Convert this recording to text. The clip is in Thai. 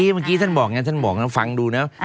เมื่อกี้ท่านบอกไงท่านบอกนะฟังดูนะ